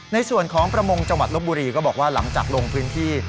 ในส่วนของประมงจังหวัดลบบุรีก็บอกว่าหลังจากลงพื้นที่